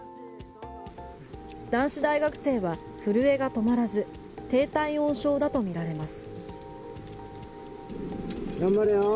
男子大学生は震えが止まらず低体温症だとみられます。